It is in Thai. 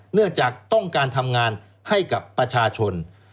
เนื่องจากต้องการทำงานให้กับประชาชน